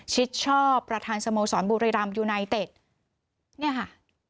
ชิดชอบประธานสโมสรบุรีรำยูไนเต็ดเนี่ยค่ะ